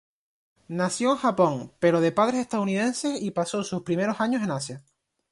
Nació en Japón, pero de padres estadounidenses y pasó sus primeros años en Asia.